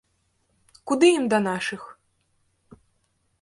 Куды ім да нашых!